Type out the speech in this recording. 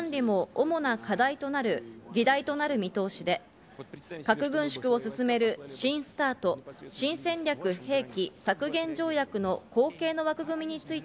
また軍備管理も主な議題となる見通しで、核軍縮を進める新ＳＴＡＲＴ＝新戦略兵器削減条約の後継の枠組みについて